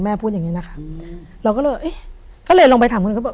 พูดอย่างงี้นะคะเราก็เลยเอ๊ะก็เลยลองไปถามคุณก็บอก